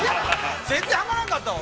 ◆全然はまらんかったわ、俺。